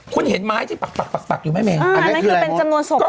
คุณเห็นไม้ที่ปักอยู่ไหมเมอันนั้นคือเป็นจำนวนศพเหรอ